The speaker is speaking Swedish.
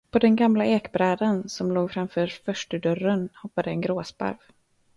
På den gamla ekbrädan, som låg framför förstudörren, hoppade en gråsparv.